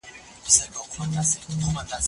کاروبار په بې صبري او بې تابه زړه نه کېږي.